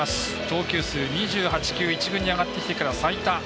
投球数２８球１軍に上がってきてから、最多。